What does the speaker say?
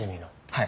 はい。